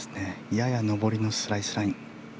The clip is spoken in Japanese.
やや上りのスライスライン。